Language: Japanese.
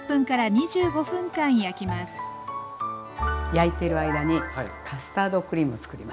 焼いてる間にカスタードクリームをつくります。